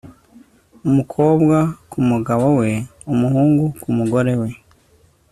Umukobwa ku mugabo we umuhungu ku mugore we